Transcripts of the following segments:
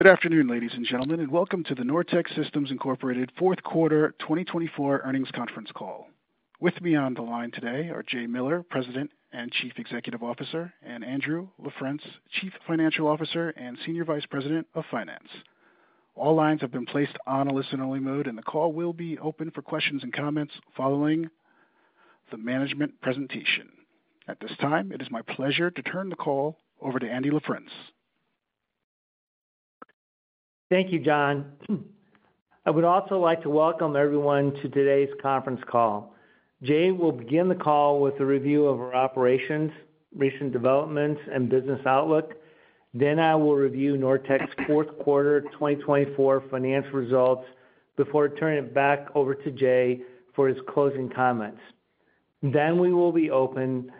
Good afternoon, ladies and gentlemen, and welcome to the Nortech Systems Incorporated Fourth Quarter 2024 earnings conference call. With me on the line today are Jay Miller, President and Chief Executive Officer, and Andrew LaFrence, Chief Financial Officer and Senior Vice President of Finance. All lines have been placed on a listen-only mode, and the call will be open for questions and comments following the management presentation. At this time, it is my pleasure to turn the call over to Andy LaFrence. Thank you, John. I would also like to welcome everyone to today's conference call. Jay will begin the call with a review of our operations, recent developments, and business outlook. I will review Nortech's fourth quarter 2024 finance results before turning it back over to Jay for his closing comments. We will be open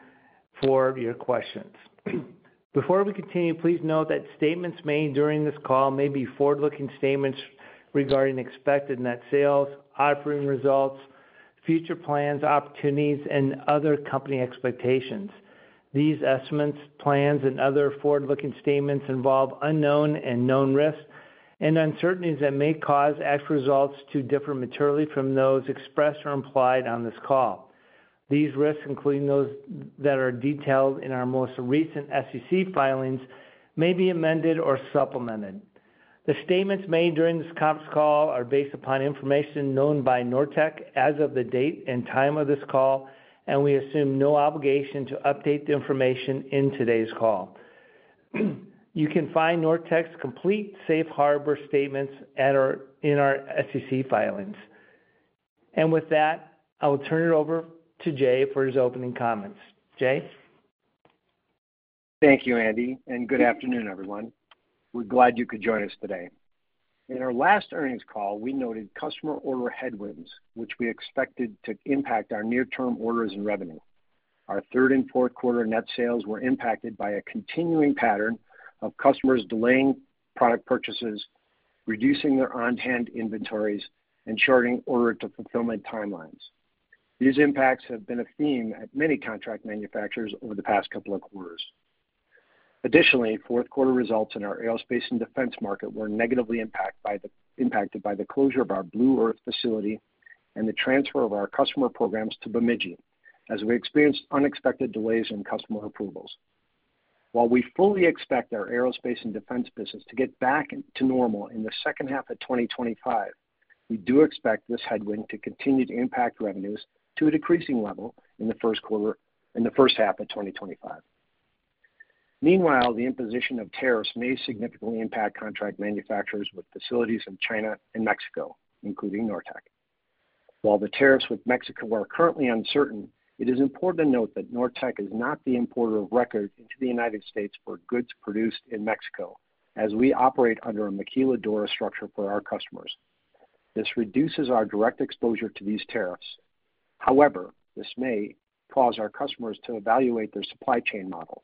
for your questions. Before we continue, please note that statements made during this call may be forward-looking statements regarding expected net sales, operating results, future plans, opportunities, and other company expectations. These estimates, plans, and other forward-looking statements involve unknown and known risks and uncertainties that may cause actual results to differ materially from those expressed or implied on this call. These risks, including those that are detailed in our most recent SEC filings, may be amended or supplemented. The statements made during this conference call are based upon information known by Nortech as of the date and time of this call, and we assume no obligation to update the information in today's call. You can find Nortech's complete Safe Harbor statements in our SEC filings. With that, I will turn it over to Jay for his opening comments. Jay? Thank you, Andy, and good afternoon, everyone. We're glad you could join us today. In our last earnings call, we noted customer order headwinds, which we expected to impact our near-term orders and revenue. Our third and fourth quarter net sales were impacted by a continuing pattern of customers delaying product purchases, reducing their on-hand inventories, and shortening order-to-fulfillment timelines. These impacts have been a theme at many contract manufacturers over the past couple of quarters. Additionally, fourth quarter results in our aerospace and defense market were negatively impacted by the closure of our Blue Earth facility and the transfer of our customer programs to Bemidji, as we experienced unexpected delays in customer approvals. While we fully expect our aerospace and defense business to get back to normal in the second half of 2025, we do expect this headwind to continue to impact revenues to a decreasing level in the first quarter and the first half of 2025. Meanwhile, the imposition of tariffs may significantly impact contract manufacturers with facilities in China and Mexico, including Nortech. While the tariffs with Mexico are currently uncertain, it is important to note that Nortech is not the importer of record into the U.S. for goods produced in Mexico, as we operate under a maquiladora structure for our customers. This reduces our direct exposure to these tariffs. However, this may cause our customers to evaluate their supply chain model.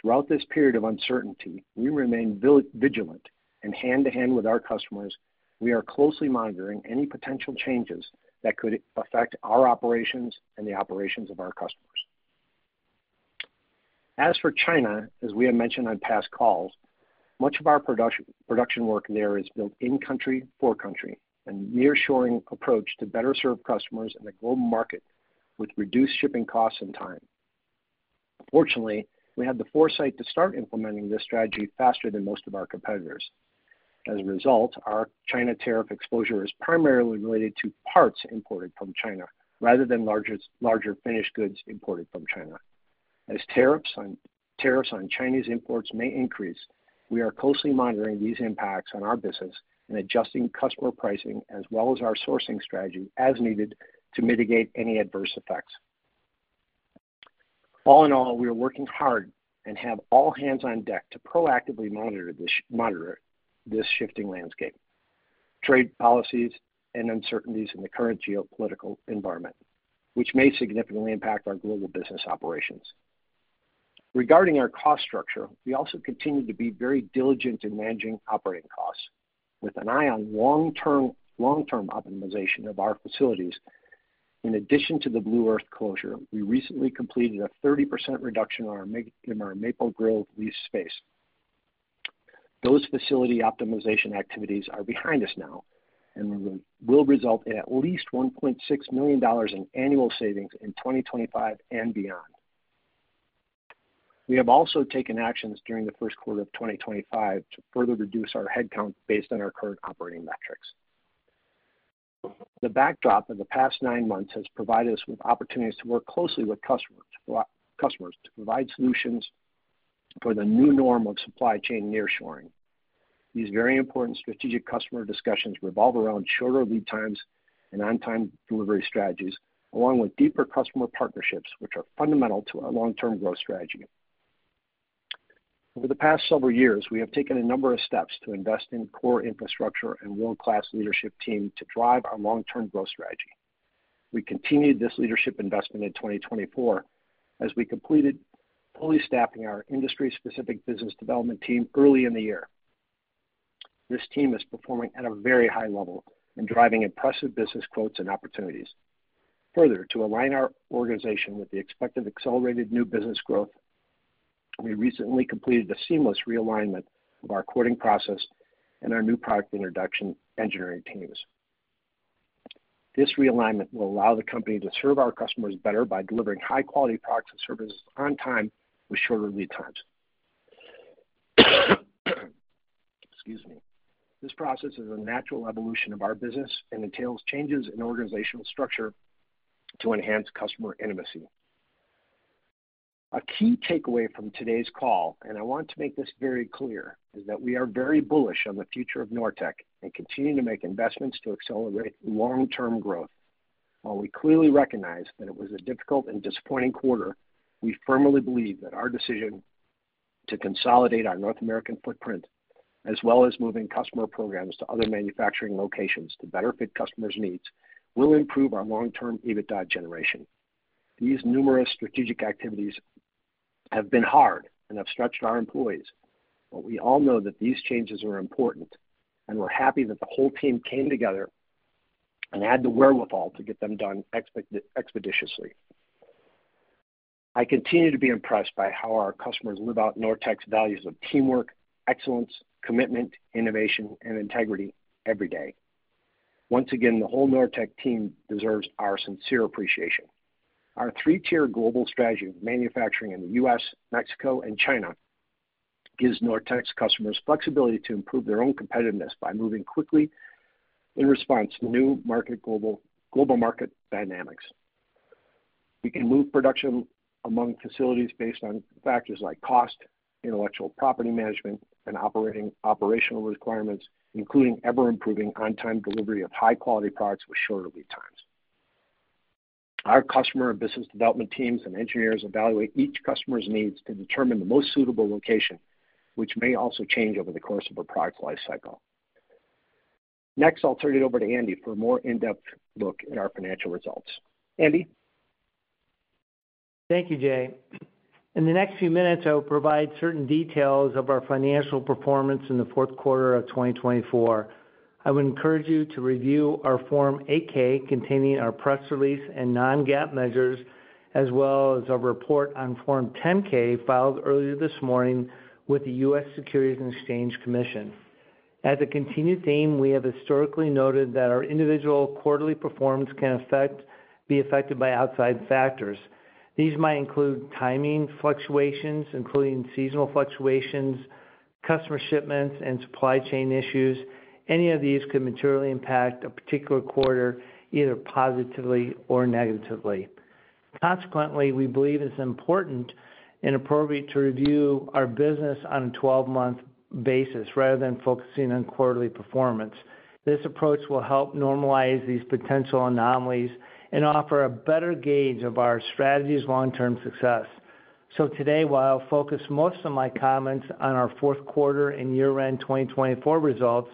Throughout this period of uncertainty, we remain vigilant and hand-to-hand with our customers. We are closely monitoring any potential changes that could affect our operations and the operations of our customers. As for China, as we have mentioned on past calls, much of our production work there is built in-country for country, a near-shoring approach to better serve customers in a global market with reduced shipping costs and time. Fortunately, we had the foresight to start implementing this strategy faster than most of our competitors. As a result, our China tariff exposure is primarily related to parts imported from China rather than larger finished goods imported from China. As tariffs on Chinese imports may increase, we are closely monitoring these impacts on our business and adjusting customer pricing as well as our sourcing strategy as needed to mitigate any adverse effects. All in all, we are working hard and have all hands on deck to proactively monitor this shifting landscape, trade policies, and uncertainties in the current geopolitical environment, which may significantly impact our global business operations. Regarding our cost structure, we also continue to be very diligent in managing operating costs with an eye on long-term optimization of our facilities. In addition to the Blue Earth closure, we recently completed a 30% reduction in our Maple Grove lease space. Those facility optimization activities are behind us now and will result in at least $1.6 million in annual savings in 2025 and beyond. We have also taken actions during the first quarter of 2025 to further reduce our headcount based on our current operating metrics. The backdrop of the past nine months has provided us with opportunities to work closely with customers to provide solutions for the new norm of supply chain near-shoring. These very important strategic customer discussions revolve around shorter lead times and on-time delivery strategies, along with deeper customer partnerships, which are fundamental to our long-term growth strategy. Over the past several years, we have taken a number of steps to invest in core infrastructure and world-class leadership team to drive our long-term growth strategy. We continued this leadership investment in 2024 as we completed fully staffing our industry-specific business development team early in the year. This team is performing at a very high level and driving impressive business growth and opportunities. Further, to align our organization with the expected accelerated new business growth, we recently completed a seamless realignment of our quoting process and our new product introduction engineering teams. This realignment will allow the company to serve our customers better by delivering high-quality products and services on time with shorter lead times. Excuse me. This process is a natural evolution of our business and entails changes in organizational structure to enhance customer intimacy. A key takeaway from today's call, and I want to make this very clear, is that we are very bullish on the future of Nortech and continue to make investments to accelerate long-term growth. While we clearly recognize that it was a difficult and disappointing quarter, we firmly believe that our decision to consolidate our North American footprint, as well as moving customer programs to other manufacturing locations to better fit customers' needs, will improve our long-term EBITDA generation. These numerous strategic activities have been hard and have stretched our employees, but we all know that these changes are important, and we're happy that the whole team came together and had the wherewithal to get them done expeditiously. I continue to be impressed by how our customers live out Nortech's values of teamwork, excellence, commitment, innovation, and integrity every day. Once again, the whole Nortech team deserves our sincere appreciation. Our three-tier global strategy of manufacturing in the U.S., Mexico, and China gives Nortech's customers flexibility to improve their own competitiveness by moving quickly in response to new global market dynamics. We can move production among facilities based on factors like cost, intellectual property management, and operational requirements, including ever-improving on-time delivery of high-quality products with shorter lead times. Our customer and business development teams and engineers evaluate each customer's needs to determine the most suitable location, which may also change over the course of a product lifecycle. Next, I'll turn it over to Andy for a more in-depth look at our financial results. Andy? Thank you, Jay. In the next few minutes, I will provide certain details of our financial performance in the fourth quarter of 2024. I would encourage you to review our Form 8-K containing our press release and non-GAAP measures, as well as our report on Form 10-K filed earlier this morning with the U.S. Securities and Exchange Commission. As a continued theme, we have historically noted that our individual quarterly performance can be affected by outside factors. These might include timing fluctuations, including seasonal fluctuations, customer shipments, and supply chain issues. Any of these could materially impact a particular quarter either positively or negatively. Consequently, we believe it's important and appropriate to review our business on a 12-month basis rather than focusing on quarterly performance. This approach will help normalize these potential anomalies and offer a better gauge of our strategy's long-term success. Today, while I'll focus most of my comments on our fourth quarter and year-end 2024 results,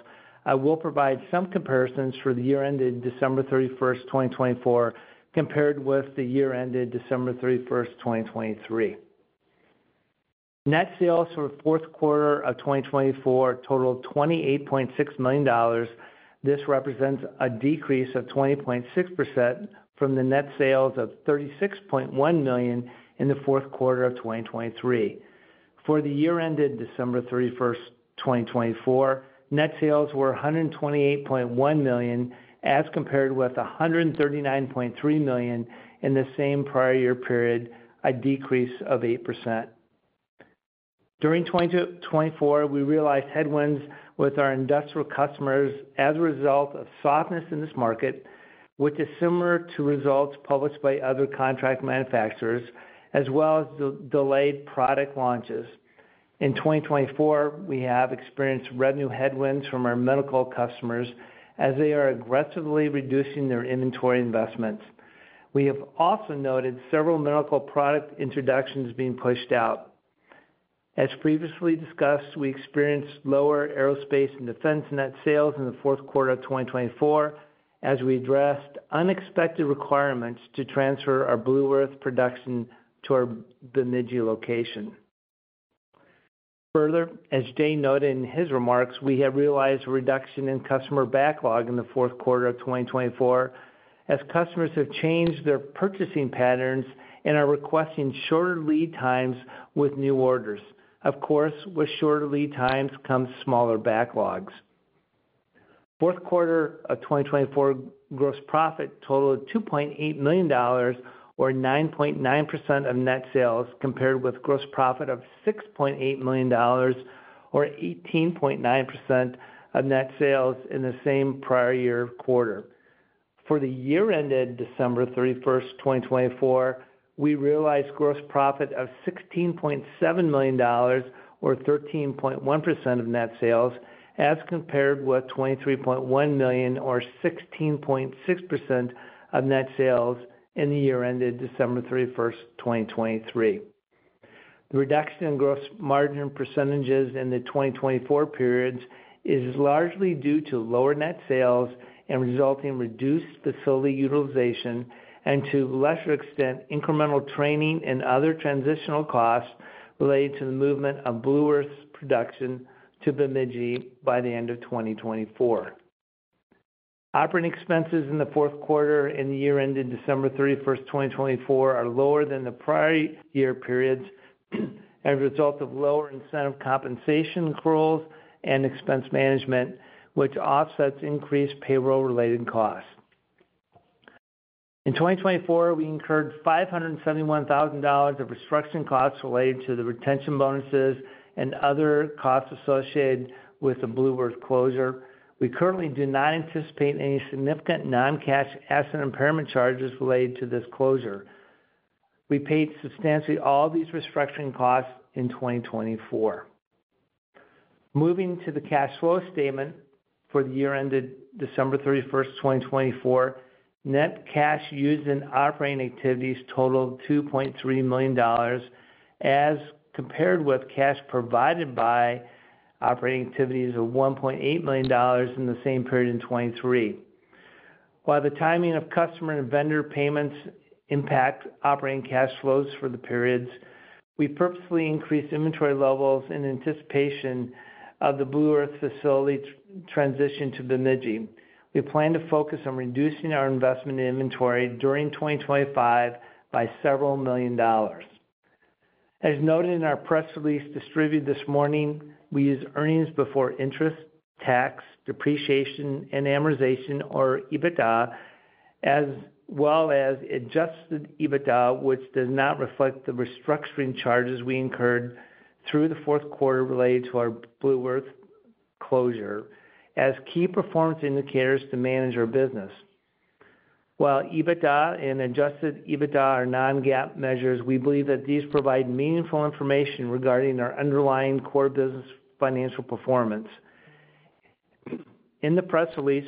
I will provide some comparisons for the year-ended December 31, 2024, compared with the year-ended December 31, 2023. Net sales for the fourth quarter of 2024 totaled $28.6 million. This represents a decrease of 20.6% from the net sales of $36.1 million in the fourth quarter of 2023. For the year-ended December 31, 2024, net sales were $128.1 million as compared with $139.3 million in the same prior year period, a decrease of 8%. During 2024, we realized headwinds with our industrial customers as a result of softness in this market, which is similar to results published by other contract manufacturers, as well as delayed product launches. In 2024, we have experienced revenue headwinds from our medical customers as they are aggressively reducing their inventory investments. We have also noted several medical product introductions being pushed out. As previously discussed, we experienced lower aerospace and defense net sales in the fourth quarter of 2024 as we addressed unexpected requirements to transfer our Blue Earth production to our Bemidji location. Further, as Jay noted in his remarks, we have realized a reduction in customer backlog in the fourth quarter of 2024 as customers have changed their purchasing patterns and are requesting shorter lead times with new orders. Of course, with shorter lead times comes smaller backlogs. Fourth quarter of 2024 gross profit totaled $2.8 million or 9.9% of net sales compared with gross profit of $6.8 million or 18.9% of net sales in the same prior year quarter. For the year-ended December 31, 2024, we realized gross profit of $16.7 million or 13.1% of net sales as compared with $23.1 million or 16.6% of net sales in the year-ended December 31, 2023. The reduction in gross margin percentages in the 2024 periods is largely due to lower net sales and resulting reduced facility utilization and, to a lesser extent, incremental training and other transitional costs related to the movement of Blue Earth's production to Bemidji by the end of 2024. Operating expenses in the fourth quarter and the year-ended December 31, 2024, are lower than the prior year periods as a result of lower incentive compensation accruals and expense management, which offsets increased payroll-related costs. In 2024, we incurred $571,000 of restructuring costs related to the retention bonuses and other costs associated with the Blue Earth closure. We currently do not anticipate any significant non-cash asset impairment charges related to this closure. We paid substantially all these restructuring costs in 2024. Moving to the cash flow statement for the year ended December 31, 2024, net cash used in operating activities totaled $2.3 million as compared with cash provided by operating activities of $1.8 million in the same period in 2023. While the timing of customer and vendor payments impacts operating cash flows for the periods, we purposefully increased inventory levels in anticipation of the Blue Earth facility transition to Bemidji. We plan to focus on reducing our investment in inventory during 2025 by several million dollars. As noted in our press release distributed this morning, we used earnings before interest, tax, depreciation, and amortization or EBITDA, as well as adjusted EBITDA, which does not reflect the restructuring charges we incurred through the fourth quarter related to our Blue Earth closure as key performance indicators to manage our business. While EBITDA and adjusted EBITDA are non-GAAP measures, we believe that these provide meaningful information regarding our underlying core business financial performance. In the press release,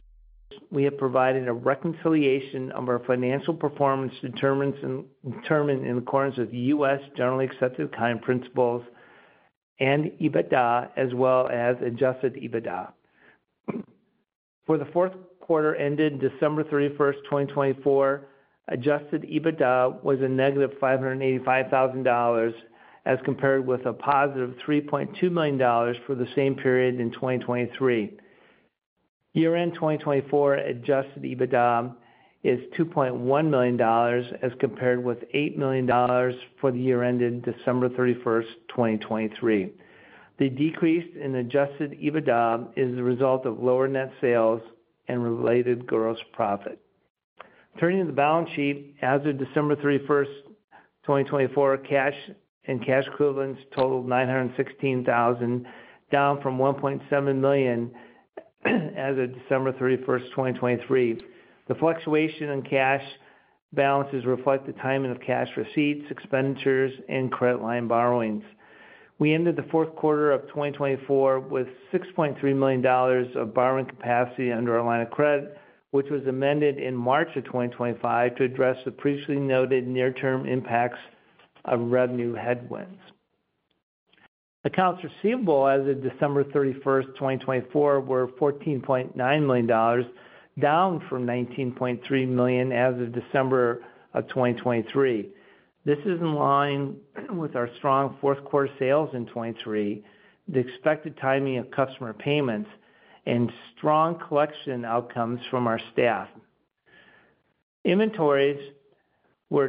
we have provided a reconciliation of our financial performance determined in accordance with U.S. generally accepted accounting principles and EBITDA, as well as adjusted EBITDA. For the fourth quarter ended December 31, 2024, adjusted EBITDA was a negative $585,000 as compared with a positive $3.2 million for the same period in 2023. Year-end 2024 adjusted EBITDA is $2.1 million as compared with $8 million for the year ended December 31, 2023. The decrease in adjusted EBITDA is the result of lower net sales and related gross profit. Turning to the balance sheet, as of December 31, 2024, cash and cash equivalents totaled $916,000, down from $1.7 million as of December 31, 2023. The fluctuation in cash balances reflects the timing of cash receipts, expenditures, and credit line borrowings. We ended the fourth quarter of 2024 with $6.3 million of borrowing capacity under our line of credit, which was amended in March of 2025 to address the previously noted near-term impacts of revenue headwinds. Accounts receivable as of December 31, 2024, were $14.9 million, down from $19.3 million as of December of 2023. This is in line with our strong fourth quarter sales in 2023, the expected timing of customer payments, and strong collection outcomes from our staff. Inventories were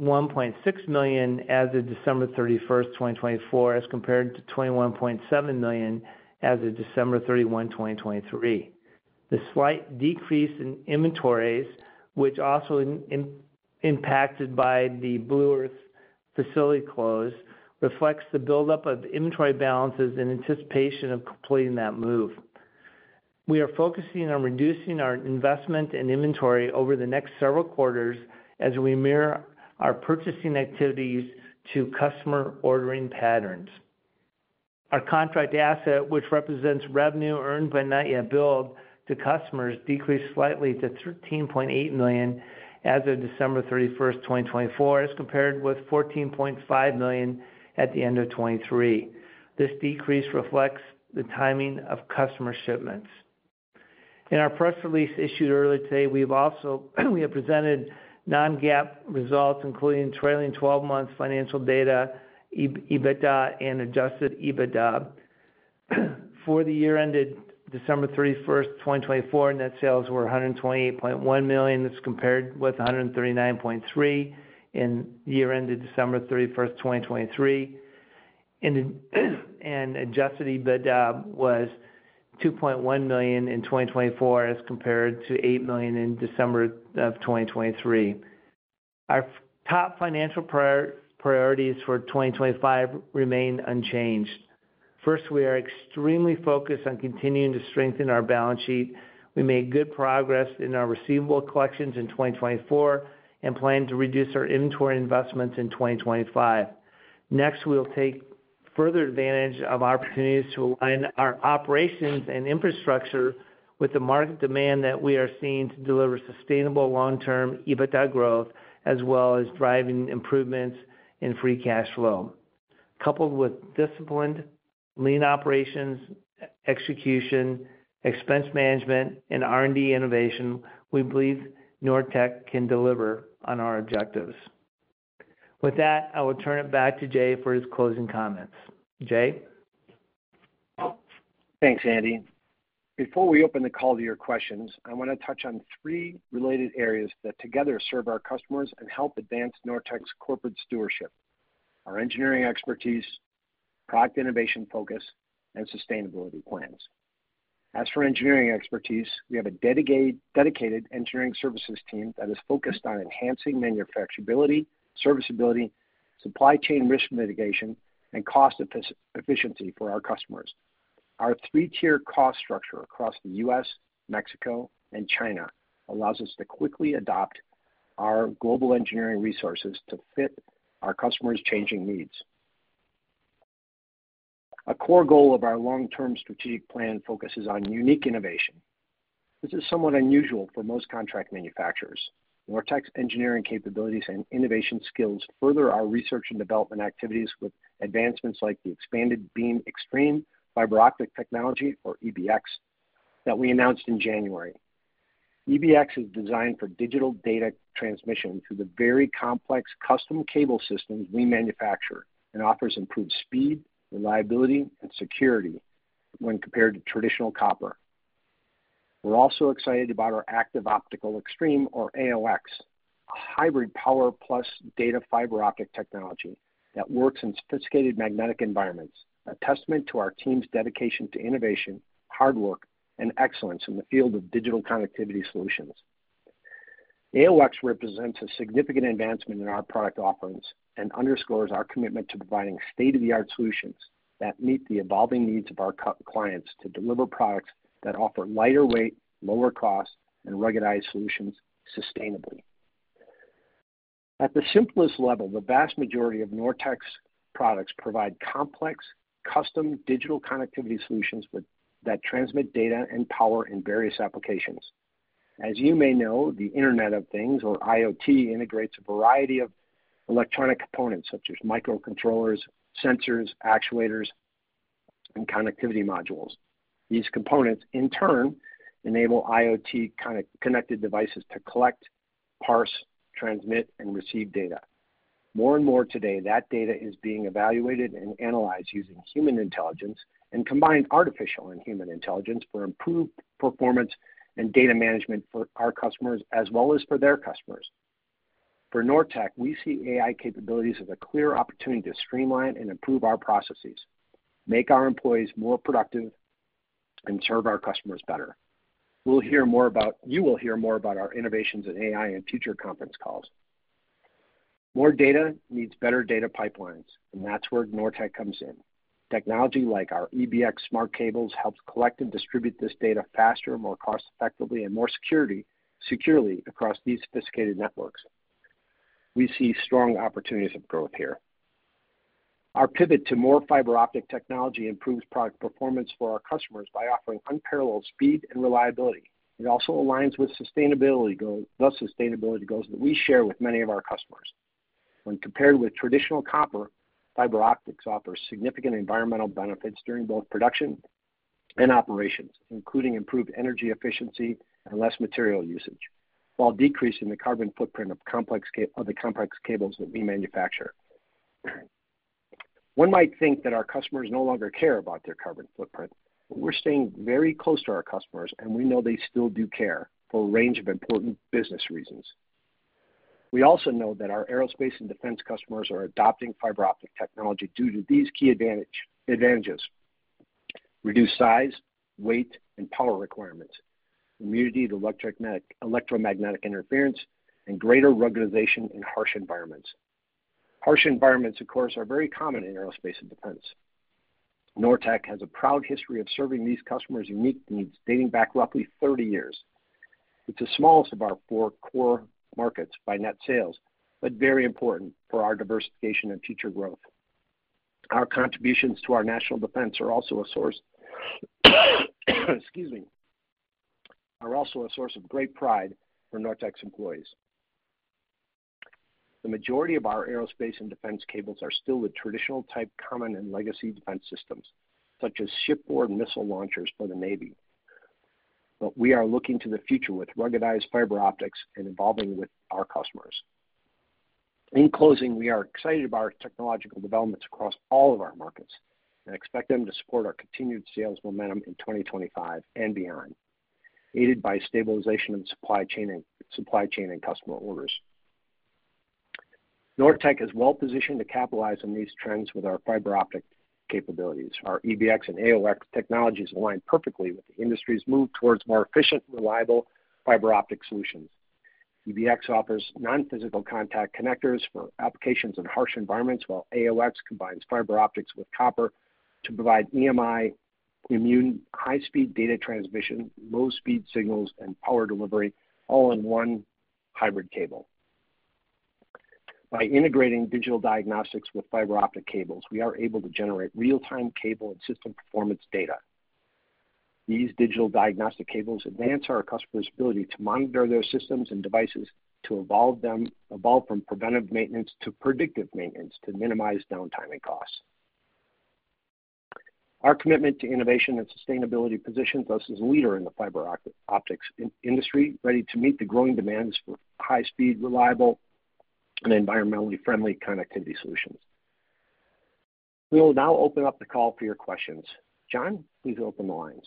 $21.6 million as of December 31, 2024, as compared to $21.7 million as of December 31, 2023. The slight decrease in inventories, which also impacted by the Blue Earth facility close, reflects the buildup of inventory balances in anticipation of completing that move. We are focusing on reducing our investment and inventory over the next several quarters as we mirror our purchasing activities to customer ordering patterns. Our contract asset, which represents revenue earned but not yet billed to customers, decreased slightly to $13.8 million as of December 31, 2024, as compared with $14.5 million at the end of 2023. This decrease reflects the timing of customer shipments. In our press release issued earlier today, we have also presented non-GAAP results, including trailing 12-month financial data, EBITDA, and adjusted EBITDA. For the year ended December 31, 2024, net sales were $128.1 million. This is compared with $139.3 million in year-ended December 31, 2023. Adjusted EBITDA was $2.1 million in 2024 as compared to $8 million in December of 2023. Our top financial priorities for 2025 remain unchanged. First, we are extremely focused on continuing to strengthen our balance sheet. We made good progress in our receivable collections in 2024 and plan to reduce our inventory investments in 2025. Next, we will take further advantage of opportunities to align our operations and infrastructure with the market demand that we are seeing to deliver sustainable long-term EBITDA growth, as well as driving improvements in free cash flow. Coupled with disciplined, lean operations, execution, expense management, and R&D innovation, we believe Nortech can deliver on our objectives. With that, I will turn it back to Jay for his closing comments. Jay? Thanks, Andy. Before we open the call to your questions, I want to touch on three related areas that together serve our customers and help advance Nortech's corporate stewardship: our engineering expertise, product innovation focus, and sustainability plans. As for engineering expertise, we have a dedicated engineering services team that is focused on enhancing manufacturability, serviceability, supply chain risk mitigation, and cost efficiency for our customers. Our three-tier cost structure across the U.S., Mexico, and China allows us to quickly adapt our global engineering resources to fit our customers' changing needs. A core goal of our long-term strategic plan focuses on unique innovation. This is somewhat unusual for most contract manufacturers. Nortech's engineering capabilities and innovation skills further our research and development activities with advancements like the Expanded Beam Xtreme fiber optic technology, or EBX, that we announced in January. EBX is designed for digital data transmission through the very complex custom cable systems we manufacture and offers improved speed, reliability, and security when compared to traditional copper. We're also excited about our Active Optical Xtreme, or AOX, a hybrid power-plus data fiber optic technology that works in sophisticated magnetic environments, a testament to our team's dedication to innovation, hard work, and excellence in the field of digital connectivity solutions. AOX represents a significant advancement in our product offerings and underscores our commitment to providing state-of-the-art solutions that meet the evolving needs of our clients to deliver products that offer lighter weight, lower cost, and ruggedized solutions sustainably. At the simplest level, the vast majority of Nortech's products provide complex, custom digital connectivity solutions that transmit data and power in various applications. As you may know, the Internet of Things, or IoT, integrates a variety of electronic components such as microcontrollers, sensors, actuators, and connectivity modules. These components, in turn, enable IoT-connected devices to collect, parse, transmit, and receive data. More and more today, that data is being evaluated and analyzed using human intelligence and combined artificial and human intelligence for improved performance and data management for our customers as well as for their customers. For Nortech, we see AI capabilities as a clear opportunity to streamline and improve our processes, make our employees more productive, and serve our customers better. You will hear more about our innovations in AI in future conference calls. More data needs better data pipelines, and that's where Nortech comes in. Technology like our EBX smart cables helps collect and distribute this data faster, more cost-effectively, and more securely across these sophisticated networks. We see strong opportunities of growth here. Our pivot to more fiber optic technology improves product performance for our customers by offering unparalleled speed and reliability. It also aligns with the sustainability goals that we share with many of our customers. When compared with traditional copper, fiber optics offers significant environmental benefits during both production and operations, including improved energy efficiency and less material usage, while decreasing the carbon footprint of the complex cables that we manufacture. One might think that our customers no longer care about their carbon footprint, but we're staying very close to our customers, and we know they still do care for a range of important business reasons. We also know that our aerospace and defense customers are adopting fiber optic technology due to these key advantages: reduced size, weight, and power requirements, immunity to electromagnetic interference, and greater ruggedization in harsh environments. Harsh environments, of course, are very common in aerospace and defense. Nortech has a proud history of serving these customers' unique needs dating back roughly 30 years. It is the smallest of our four core markets by net sales, but very important for our diversification and future growth. Our contributions to our national defense are also a source, excuse me, are also a source of great pride for Nortech's employees. The majority of our aerospace and defense cables are still the traditional type common in legacy defense systems, such as shipboard missile launchers for the Navy. We are looking to the future with ruggedized fiber optics and evolving with our customers. In closing, we are excited about our technological developments across all of our markets and expect them to support our continued sales momentum in 2025 and beyond, aided by stabilization in supply chain and customer orders. Nortech is well-positioned to capitalize on these trends with our fiber optic capabilities. Our EBX and AOX technologies align perfectly with the industry's move towards more efficient, reliable fiber optic solutions. EBX offers non-physical contact connectors for applications in harsh environments, while AOX combines fiber optics with copper to provide EMI, immune high-speed data transmission, low-speed signals, and power delivery, all in one hybrid cable. By integrating digital diagnostics with fiber optic cables, we are able to generate real-time cable and system performance data. These digital diagnostic cables advance our customers' ability to monitor their systems and devices to evolve from preventive maintenance to predictive maintenance to minimize downtime and costs. Our commitment to innovation and sustainability positions us as a leader in the fiber optics industry, ready to meet the growing demands for high-speed, reliable, and environmentally friendly connectivity solutions. We will now open up the call for your questions. John, please open the lines.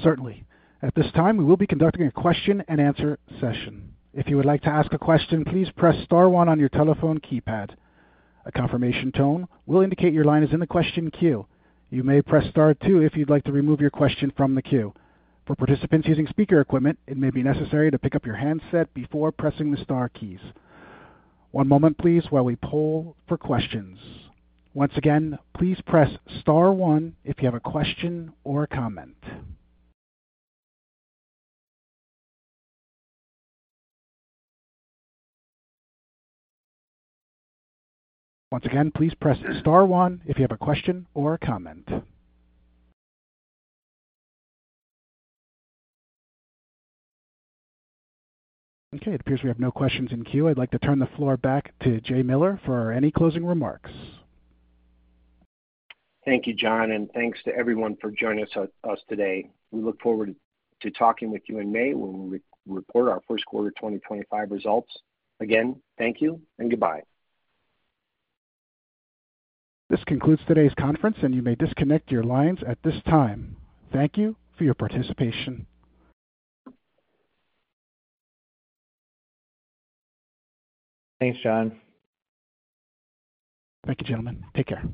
Certainly. At this time, we will be conducting a question-and-answer session. If you would like to ask a question, please press star one on your telephone keypad. A confirmation tone will indicate your line is in the question queue. You may press star two if you'd like to remove your question from the queue. For participants using speaker equipment, it may be necessary to pick up your handset before pressing the star keys. One moment, please, while we poll for questions. Once again, please press star one if you have a question or a comment. Okay. It appears we have no questions in queue. I'd like to turn the floor back to Jay Miller for any closing remarks. Thank you, John, and thanks to everyone for joining us today. We look forward to talking with you in May when we report our first quarter 2025 results. Again, thank you and goodbye. This concludes today's conference, and you may disconnect your lines at this time. Thank you for your participation. Thanks, John. Thank you, gentlemen. Take care.